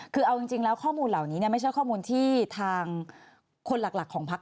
คือเอาจริงแล้วข้อมูลเหล่านี้ไม่ใช่ข้อมูลที่ทางคนหลักของพัก